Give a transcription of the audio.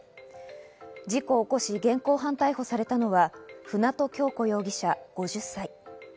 事故を起こし現行犯逮捕されたのは舟渡今日子容疑者、５０歳。